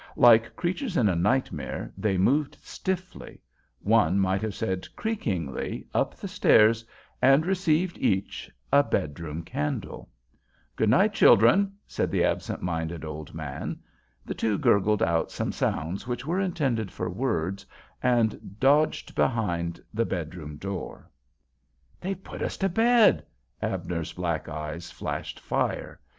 Like creatures in a nightmare, they moved stiffly, one might have said creakingly, up the stairs and received each—a bedroom candle! "Good night, children," said the absent minded old man. The two gurgled out some sounds which were intended for words and doged behind the bedroom door. "They've put us to bed!" Abner's black eyes flashed fire.